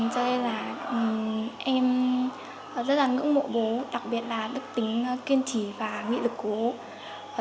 cho nên là em rất là ngưỡng mộ bố đặc biệt là đức tính kiên trì và nghị lực của ú